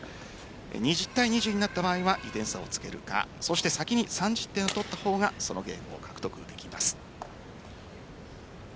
２０対２０になった場合は２点差をつけるか先に３０点を取った方がそのゲームを獲得できます。